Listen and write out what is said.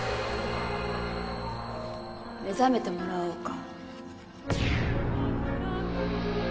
目覚めてもらおうか。